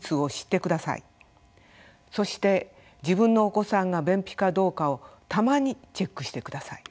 そして自分のお子さんが便秘かどうかをたまにチェックしてください。